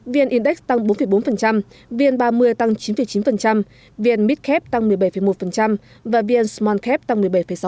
vn index tăng bốn bốn vn ba mươi tăng chín chín vn mid cap tăng một mươi bảy một và vn small cap tăng một mươi bảy sáu